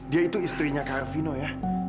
dia itu istrinya kak arvino ya